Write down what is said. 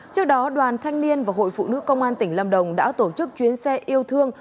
trước đó đoàn thanh niên và hội phụ nữ công an tỉnh lâm đồng đã tổ chức chuyến xe yêu thương